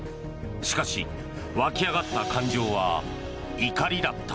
しかし、湧き上がった感情は怒りだった。